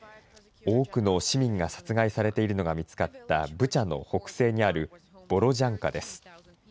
多くの市民が殺害されているのが見つかったブチャの北西にあるボロジャンカです。